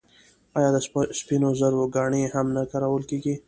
آیا د سپینو زرو ګاڼې هم نه کارول کیږي؟